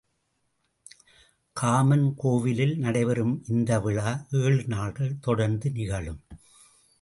Common கோவிலில் நடைபெறும் இந்த விழா ஏழு நாள்கள் தொடர்ந்து நிகழும்.